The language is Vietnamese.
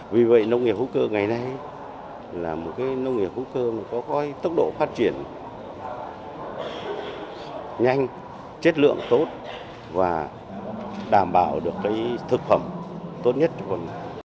vì vậy nông nghiệp hữu cơ ngày nay là một cái nông nghiệp hữu cơ có tốc độ phát triển nhanh chất lượng tốt và đảm bảo được thực phẩm tốt nhất cho con